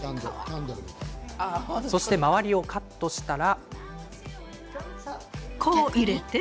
そして周りをカットしたら。